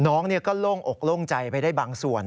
น้องก็โล่งอกโล่งใจไปได้บางส่วน